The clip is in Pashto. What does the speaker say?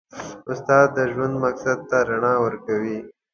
استاد د ژوند مقصد ته رڼا ورکوي.